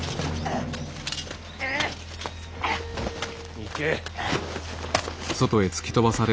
行け。